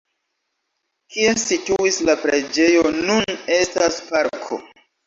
Kie situis la preĝejo nun estas parko.